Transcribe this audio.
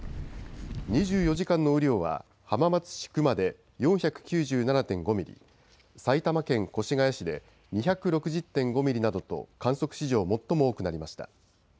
２４時間の雨量は浜松市熊で４９７．５ミリ、埼玉県越谷市で２６０．５ミリなどと観測史上最も多くなりました。